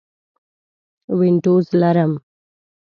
وینډوز لرم